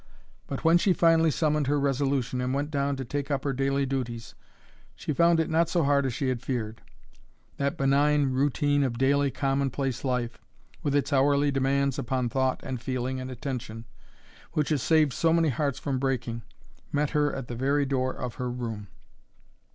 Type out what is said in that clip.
But when she finally summoned her resolution and went down to take up her daily duties, she found it not so hard as she had feared. That benign routine of daily, commonplace life, with its hourly demands upon thought and feeling and attention, which has saved so many hearts from breaking, met her at the very door of her room.